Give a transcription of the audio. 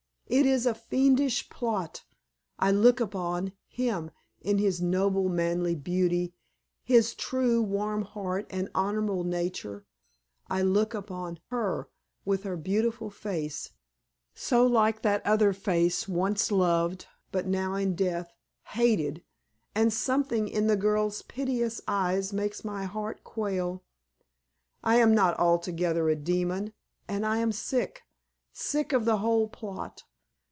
It is a fiendish plot. I look upon him in his noble, manly beauty, his true, warm heart and honorable nature; I look upon her with her beautiful face, so like that other face once loved, but now in death hated, and something in the girl's piteous eyes makes my heart quail. I am not altogether a demon, and I am sick sick of the whole plot.